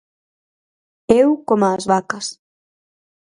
Eu, coma as vacas.